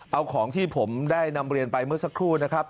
เอาของที่ผมได้นำเรียนไปเมื่อสักครู่นะครับ